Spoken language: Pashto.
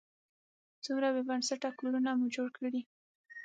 څومره بې بنسټه کورونه مو جوړ کړي.